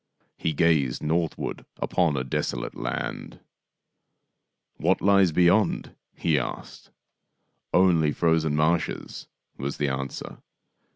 He gazed northward upon a desolate land. " What lies beyond ?" he asked. " Only frozen marshes," was the answer.